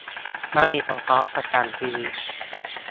ไม่เฉพาะประกันชีวิต